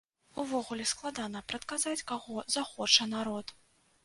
Увогуле, складана прадказаць, каго захоча народ.